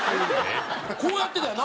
こうやってたやん！